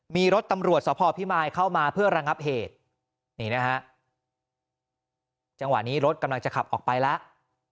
มีรถตำรวจสพพิมายเข้ามาเพื่อระงับเหตุนี่นะฮะจังหวะนี้รถกำลังจะขับออกไปแล้ว